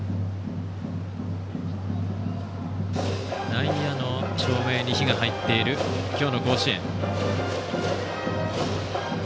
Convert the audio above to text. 内野の照明に灯が入っている今日の甲子園。